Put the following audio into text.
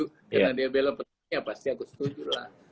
karena dia belom petani pasti aku setujulah